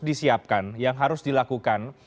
disiapkan yang harus dilakukan